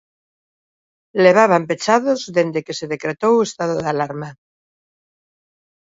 Levaban pechados dende que se decretou o estado de alarma.